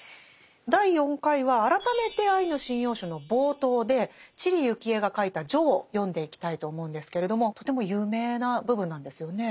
第４回は改めて「アイヌ神謡集」の冒頭で知里幸恵が書いた「序」を読んでいきたいと思うんですけれどもとても有名な部分なんですよね。